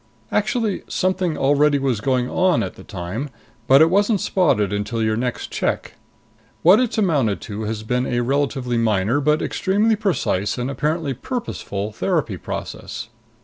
"Actually something already was going on at the time, but it wasn't spotted until your next check. What it's amounted to has been a relatively minor but extremely precise and apparently purposeful therapy process.